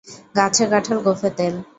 গাছে কাঁঠাল গোঁফে তেল।